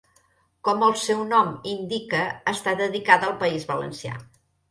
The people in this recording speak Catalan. Com el seu nom indica, està dedicada al País Valencià.